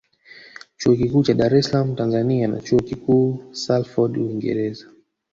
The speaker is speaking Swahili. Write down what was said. Chuo Kikuu cha DaresSalaam Tanzania na Chuo Kikuucha Salford uingereza